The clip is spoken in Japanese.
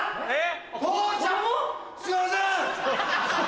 えっ？